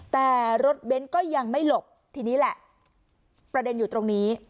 แต่รถเบนท์ก็ยังไม่หลบทีนี้แหละประเด็นอยู่ตรงนี้